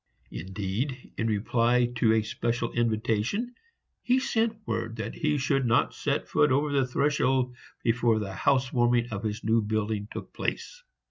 Indeed, in reply to a special invitation, he sent word that he should not set foot over the threshold before the house warming of his new building took place.